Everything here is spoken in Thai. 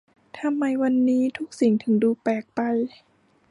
ทำไมวันนี้ทุกสิ่งถึงดูแปลกไป !